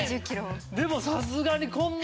でもさすがにこんなまくかな？